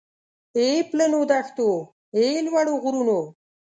اې پلنو دښتو اې لوړو غرونو